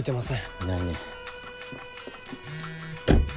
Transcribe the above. いないね。